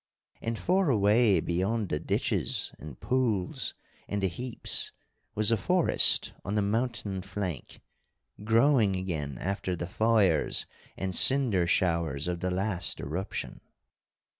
And far away beyond the ditches and pools and the heaps was a forest on the mountain flank, growing again after the fires and cinder showers of the last eruption.